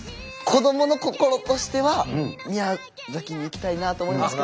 子どもの心としては宮崎に行きたいなと思いますけど。